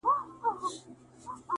لمرینو وړانګو ته به نه ځلیږي-